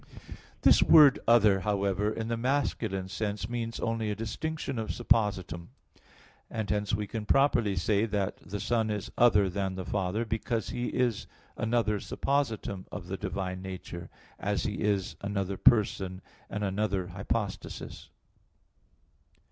This word "other" [alius], however, in the masculine sense, means only a distinction of suppositum; and hence we can properly say that "the Son is other than the Father," because He is another suppositum of the divine nature, as He is another person and another hypostasis.